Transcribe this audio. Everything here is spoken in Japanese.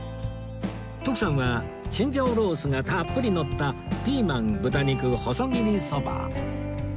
徳さんは青椒肉絲がたっぷりのったピーマン豚肉細切りそば